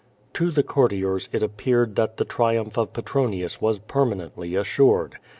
To the courtiers it appeared that the triumph of Petronius was ]>ermanently assured.